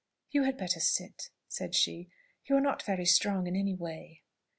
"You had better sit," said she. "You are not very strong in any way."